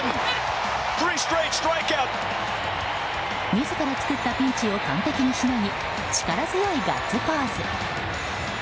自ら作ったピンチを完璧にしのぎ力強いガッツポーズ！